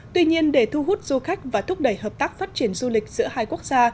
tuy nhiên để thu hút du khách và thúc đẩy hợp tác phát triển du lịch giữa hai quốc gia